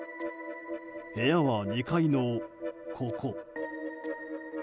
部屋は、２階のここ。